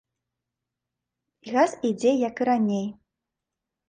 І газ ідзе як і раней.